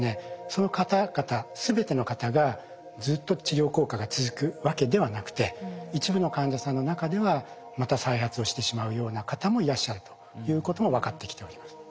その方々全ての方がずっと治療効果が続くわけではなくて一部の患者さんの中ではまた再発をしてしまうような方もいらっしゃるということも分かってきております。